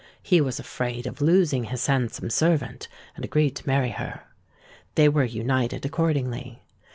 He was afraid of losing his handsome servant; and agreed to marry her. They were united accordingly.